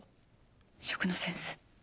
食のセンス。